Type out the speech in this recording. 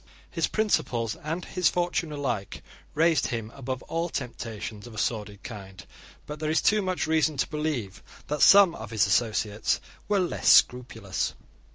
His principles and his fortune alike raised him above all temptations of a sordid kind: but there is too much reason to believe that some of his associates were less scrupulous.